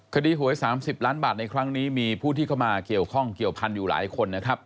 หวย๓๐ล้านบาทในครั้งนี้มีผู้ที่เข้ามาเกี่ยวข้องเกี่ยวพันธุ์อยู่หลายคนนะครับ